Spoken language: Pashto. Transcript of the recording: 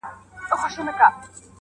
ما کتلی په ورغوي کي زما د ارمان پال دی,